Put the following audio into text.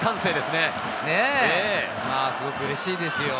ね、すごくうれしいですよ。